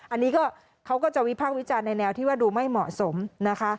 อันนี้ก็เขาก็จะวิพากษ์วิจารณ์ในแนวที่ว่าดูไม่เหมาะสมนะคะ